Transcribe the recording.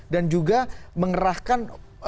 dan juga mengerahkan